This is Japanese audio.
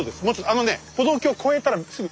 あのね歩道橋越えたらすぐ。